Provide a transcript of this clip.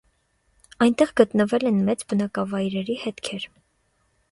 Այնտեղ գտնվել ենմեծ բնակավայրերի հետքեր։